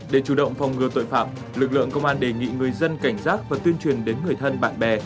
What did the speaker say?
để chủ động phòng ngừa tội phạm lực lượng công an đề nghị người dân cảnh giác và tuyên truyền đến người thân bạn bè